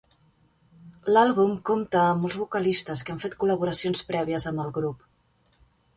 L'àlbum compta amb molts vocalistes que han fet col·laboracions prèvies amb el grup.